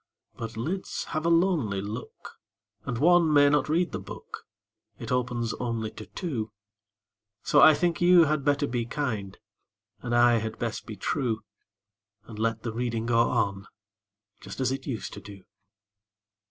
But lids have a lonely look, And one may not read the book It opens only to two; So I think you had better be kind, And I had best be true, And let the reading go on, Just as it used to do.